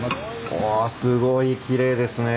ああすごいきれいですね。